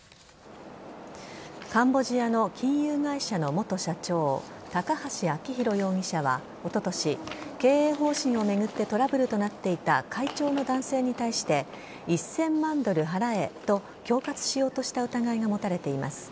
カンボジアの金融会社の元社長高橋明裕容疑者はおととし、経営方針を巡ってトラブルとなっていた会長の男性に対して１０００万ドル払えと恐喝しようとした疑いが持たれています。